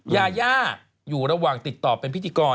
ยาย่าอยู่ระหว่างติดต่อเป็นพิธีกร